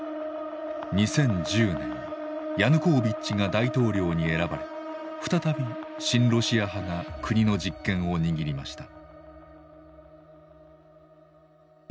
２０１０年ヤヌコービッチが大統領に選ばれ再び親ロシア派が国の実権を握りました。